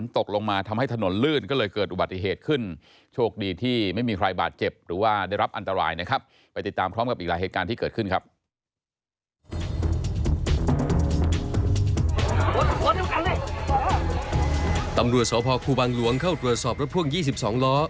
สพครูบังหลวงเข้าตรวจสอบรถพ่วง๒๒ล้อ